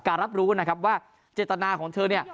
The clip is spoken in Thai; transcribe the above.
รับรู้นะครับว่าเจตนาของเธอเนี่ย